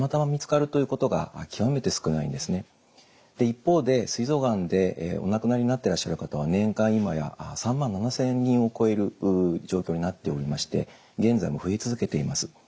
一方ですい臓がんでお亡くなりになっていらっしゃる方は年間今や３万７，０００人を超える状況になっておりまして現在も増え続けています。